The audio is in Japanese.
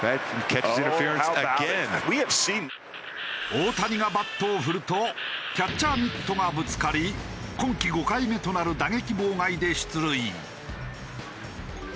大谷がバットを振るとキャッチャーミットがぶつかり今季５回目となる打撃妨害で出塁。